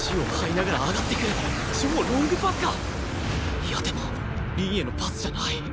いやでも凛へのパスじゃない